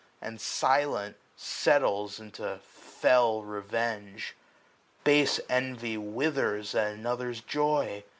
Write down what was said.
And silent, settles into fell revenge. Base envy withers at another's joy.